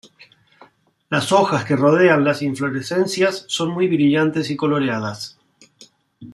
Las hojas que rodean las inflorescencias son muy brillantes y coloreadas.